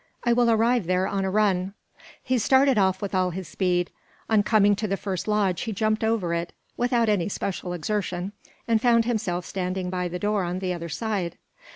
"I will arrive there on a run." He started off with all his speed. On coming to the first lodge he jumped over it, without any special exertion, and found himself standing by the door on the other side.